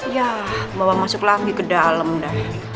yah bawa masuk lagi ke dalam dah